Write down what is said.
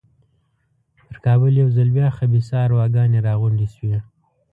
پر کابل یو ځل بیا خبیثه ارواګانې را غونډې شوې.